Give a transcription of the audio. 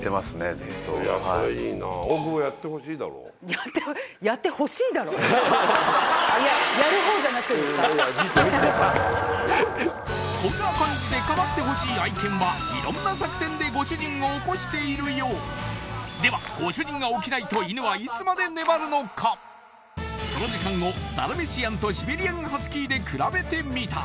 ずっといやそれいいないやいやじっと見てさこんな感じでかまってほしい愛犬はいろんな作戦でご主人を起こしているようではご主人が起きないとその時間をダルメシアンとシベリアン・ハスキーで比べてみた